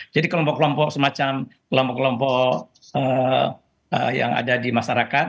jadi kelompok kelompok semacam kelompok kelompok yang ada di masyarakat